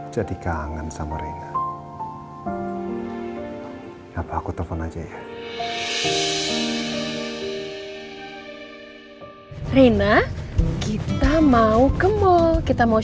yang penting kan udah ketemu